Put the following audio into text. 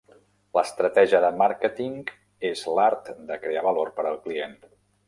L'estratègia de màrqueting és l'art de crear valor per al client.